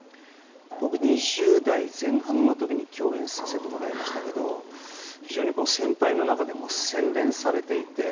僕、２０代前半の時に共演させてもらいましたが非常に先輩の中でも洗練されていて。